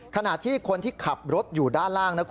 ขณะที่คนที่ขับรถอยู่ด้านล่างนะคุณ